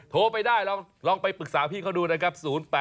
โทรไปได้ลองไปปรึกษาพี่เขาดูนะครับ